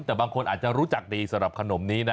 แต่บางคนอาจจะรู้จักดีสำหรับขนมนี้นะ